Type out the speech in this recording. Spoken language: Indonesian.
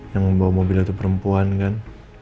yang membawa mobil itu perempuan kan